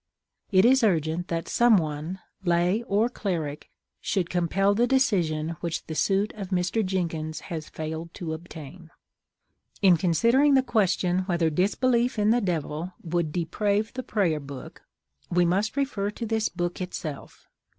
It is urgent that some one, lay or cleric, should compel the decision which the suit of Mr. Jenkins has failed to obtain. In considering the question whether disbelief in the Devil would "deprave" the Prayer Book, we must refer to this book itself.